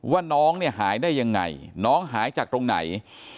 ว่าน้องเนี่ยหายได้ยังไงน้องหายจากตรงไหน